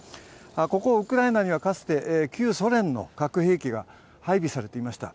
ここウクライナにはかつて旧ソ連の核兵器が配備されていました。